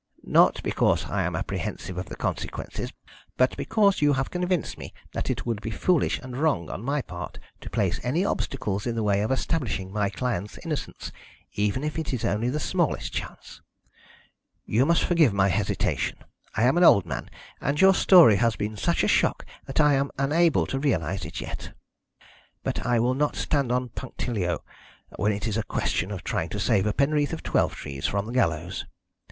"Not because I am apprehensive of the consequences, but because you have convinced me that it would be foolish and wrong on my part to place any obstacles in the way of establishing my client's innocence, even if it is only the smallest chance. You must forgive my hesitation. I am an old man, and your story has been such a shock that I am unable to realise it yet. But I will not stand on punctilio when it is a question of trying to save a Penreath of Twelvetrees from the gallows.